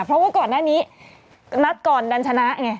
เพราะว่าก่อนหน้านี้นัดก่อนดันชนะไง